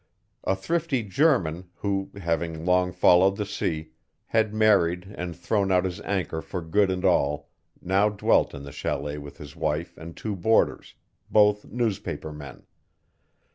A thrifty German who, having long followed the sea, had married and thrown out his anchor for good and all, now dwelt in the chalet with his wife and two boarders both newspaper men.